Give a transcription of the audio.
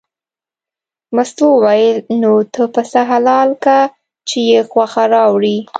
مستو وویل نو ته پسه حلال که چې یې غوښه راوړې.